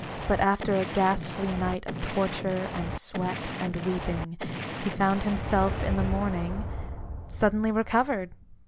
But after a ghastly night of torture, and sweat, and weeping, he found himself, in the morning, suddenly recovered